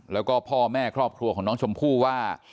แล้วก็พ่อแม่ครอบครัวของน้องชมพู่ว่า